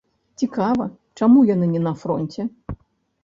Цікава, чаму яны не на фронце?